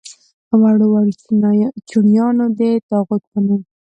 وړو وړو چڼیانو دې د طاغوت په نوم.